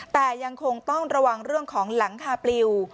แต่ยังคงต้องระวังเรื่องของหลังคาปลิว